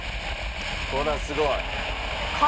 ほらすごい！